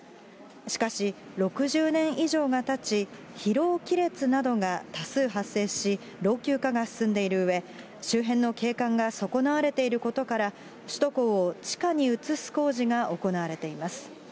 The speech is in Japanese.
しかし６０年以上がたち、疲労亀裂などが多数発生し、老朽化が進んでいるうえ、周辺の景観が損なわれていることから、首都高を地下に移す工事が行われています。